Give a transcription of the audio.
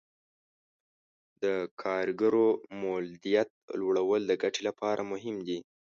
د کارګرو مولدیت لوړول د ګټې لپاره مهم دي.